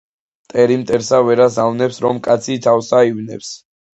მტერი მტერსა ვერას ავნებს, რომე კაცი თავსა ივნებს.